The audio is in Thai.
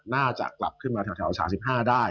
น่าจะกลับขึ้นมาแถว๓๕ได้